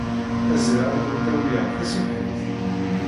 Ad d-zriɣ ad kent-awyeɣ taṣebḥit?